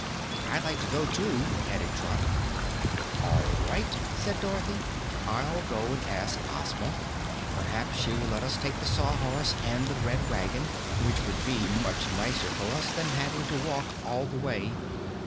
"I'd like to go, too," added Trot. "All right," said Dorothy. "I'll go and ask Ozma. Perhaps she will let us take the Sawhorse and the Red Wagon, which would be much nicer for us than having to walk all the way.